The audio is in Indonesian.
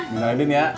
menang adin ya